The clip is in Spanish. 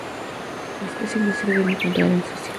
La especie no ha sido encontrada en Suecia.